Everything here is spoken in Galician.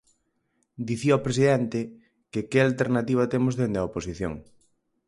Dicía o presidente que que alternativa temos dende a oposición.